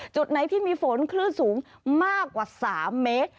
จุดไหนที่มีฝนคลื่นสูงมากกว่า๓เมตร